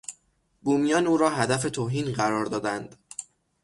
بومیان او را هدف توهین قرار دادند.